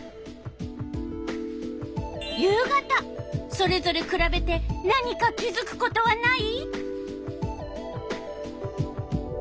それぞれくらべて何か気づくことはない？